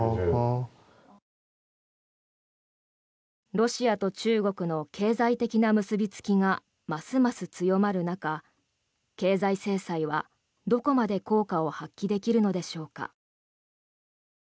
ロシアと中国の経済的な結びつきがますます強まる中経済制裁は、どこまで効果を発揮できるのでしょうか。